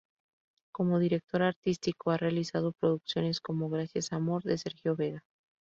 Como director artístico ha realizado producciones como: "Gracias Amor" de Sergio Vega.